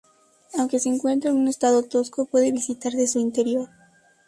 Aunque se encuentra en un estado tosco, puede visitarse su interior.